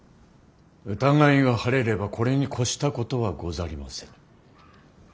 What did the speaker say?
疑いが晴れればこれに越したことはござりませぬ。